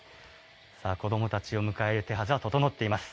さあ、子どもたちを迎えて準備が整っています。